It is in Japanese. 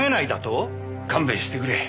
勘弁してくれ。